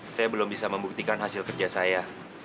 saya belum bisa membuktikan hasil kerja saya